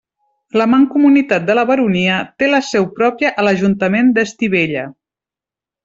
La Mancomunitat de la Baronia té la seu pròpia a l'Ajuntament d'Estivella.